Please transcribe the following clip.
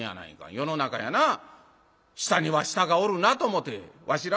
世の中にはな下には下がおるなと思てわしらがうれしな」。